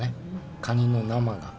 カニの生が。